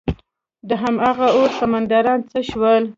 دهمغه اور سمندران څه شول؟